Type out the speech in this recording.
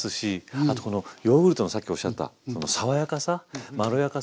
あとこのヨーグルトのさっきおっしゃったその爽やかさまろやかさ。